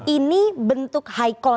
ini bentuk high call